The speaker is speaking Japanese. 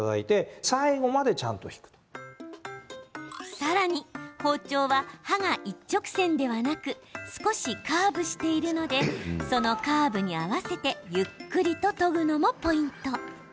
さらに、包丁は刃が一直線ではなく少しカーブしているのでそのカーブに合わせてゆっくりと研ぐのもポイント。